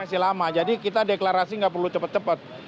masih lama jadi kita deklarasi nggak perlu cepat cepat